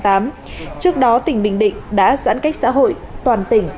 trước đó tỉnh bình định đã giãn cách xã hội toàn tỉnh